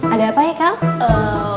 ada apa haikal